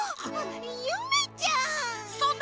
ゆめちゃん！